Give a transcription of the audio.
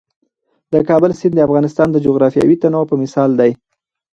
د کابل سیند د افغانستان د جغرافیوي تنوع یو مثال دی.